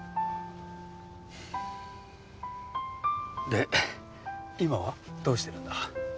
で今はどうしてるんだ？